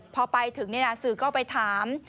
พอไปถึงสื่อก็ไปถาม